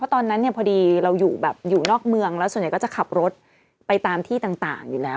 ตอนนั้นเนี่ยพอดีเราอยู่แบบอยู่นอกเมืองแล้วส่วนใหญ่ก็จะขับรถไปตามที่ต่างอยู่แล้ว